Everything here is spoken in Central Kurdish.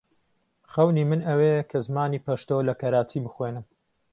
خەونی من ئەوەیە کە زمانی پەشتۆ لە کەراچی بخوێنم.